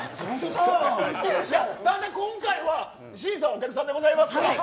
今回は審査はお客さんでございます。